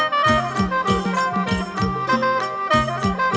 สวัสดีครับสวัสดีครับ